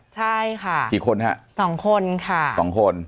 ใช่ค่ะกี่คนฮะสองคนค่ะสองคน